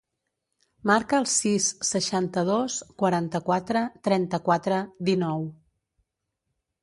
Marca el sis, seixanta-dos, quaranta-quatre, trenta-quatre, dinou.